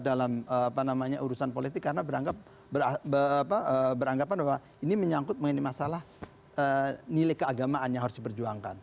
dalam urusan politik karena beranggapan bahwa ini menyangkut mengenai masalah nilai keagamaan yang harus diperjuangkan